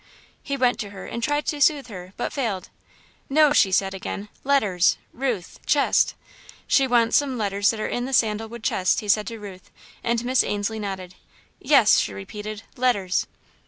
He went to her and tried to soothe her, but failed. "No," she said again, "letters Ruth chest." "She wants some letters that are in the sandal wood chest," he said to Ruth, and Miss Ainslie nodded. "Yes," she repeated, "letters."